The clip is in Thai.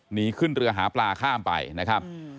หนีขึ้นเรือหาปลาข้ามไปนะครับ